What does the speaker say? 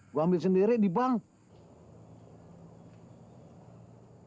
gue ambil sendiri di bank